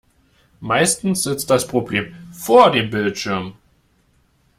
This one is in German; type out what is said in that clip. Meistens sitzt das Problem vor dem Bildschirm.